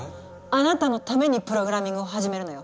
あなたのためにプログラミングを始めるのよ。